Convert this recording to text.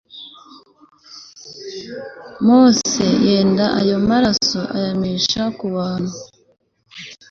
mose yenda ayo maraso ayamisha ku bantu